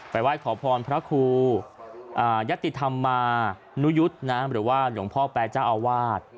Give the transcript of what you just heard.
ไหว้ขอพรพระครูยัตติธรรมานุยุทธ์หรือว่าหลวงพ่อแปรเจ้าอาวาส